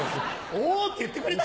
「お」って言ってくれた。